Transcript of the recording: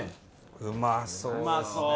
うまそう。